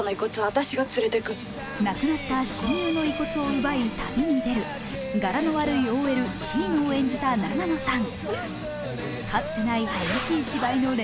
亡くなった親友の遺骨を奪い旅に出る柄の悪いＯＬシイノを演じた永野さん。